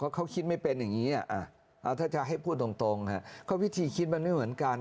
เขาคิดไม่เป็นอย่างนี้ถ้าจะให้พูดตรงก็วิธีคิดมันไม่เหมือนกัน